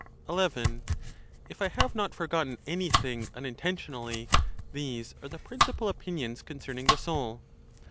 XI. If I have not forgotten anything unintentionally, these are the principal opinions concerning the soul.